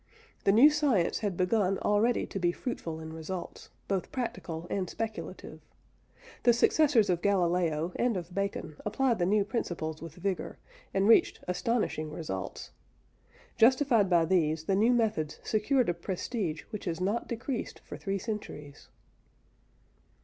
The new science had begun already to be fruitful in results, both practical and speculative. The successors of Galileo and of Bacon applied the new principles with vigour, and reached astonishing results. Justified by these, the new methods secured a prestige which has not decreased for three centuries.